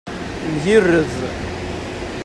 Mgirred.